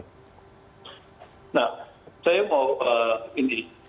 nah saya mau ini